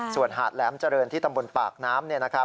ส่วนหาดแหลมเจริญที่ตำบลปากน้ำ